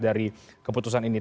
dari keputusan ini